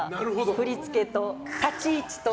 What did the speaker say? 振り付けと、立ち位置と。